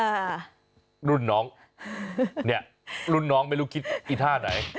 รุ่นน้องเนี่ยรุ่นน้องไม่รู้คิดอีท่าไหน